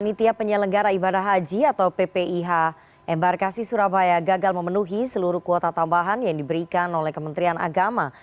panitia penyelenggara ibadah haji atau ppih embarkasi surabaya gagal memenuhi seluruh kuota tambahan yang diberikan oleh kementerian agama